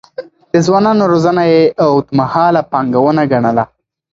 د ځوانانو روزنه يې اوږدمهاله پانګونه ګڼله.